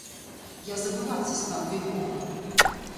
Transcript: Я забывацца стаў, якога.